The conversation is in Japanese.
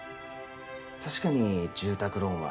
確かに住宅ローンは